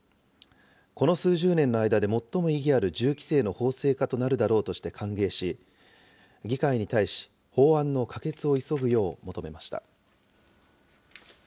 この数十年の間で最も意義ある銃規制の法制化となるだろうとして歓迎し、議会に対し、法案の可決を急ぐよう求めました。